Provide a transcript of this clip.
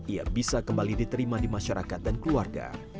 ia bisa kembali diterima di masyarakat dan keluarga